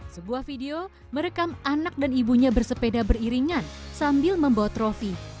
sebuah video merekam anak dan ibunya bersepeda beriringan sambil membawa trofi